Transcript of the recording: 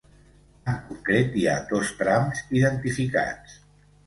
En concret hi ha dos trams identificats.